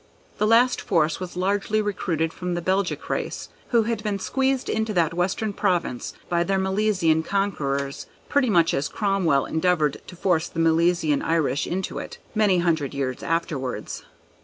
The last force was largely recruited from the Belgic race who had been squeezed into that western province, by their Milesian conquerors, pretty much as Cromwell endeavoured to force the Milesian Irish into it, many hundred years afterwards.